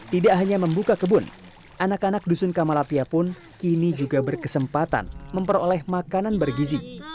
tidak hanya membuka kebun anak anak dusun kamalapia pun kini juga berkesempatan memperoleh makanan bergizi